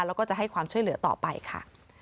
แล้วก็จะให้ความช่วยเหลือต่อไปค่ะ